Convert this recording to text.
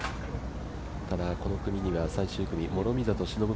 ただこの組には、最終組には諸見里しのぶ